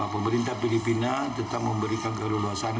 pemerintah filipina tetap memberikan keleluasan